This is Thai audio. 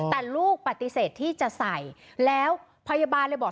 แต่ลูกปฏิเสธที่จะใส่แล้วพยาบาลเลยบอก